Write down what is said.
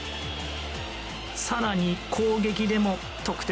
更に、攻撃でも得点。